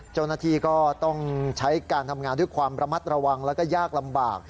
เจ้าหน้าที่ก็ต้องใช้การทำงานด้วยความระมัดระวังแล้วก็ยากลำบาก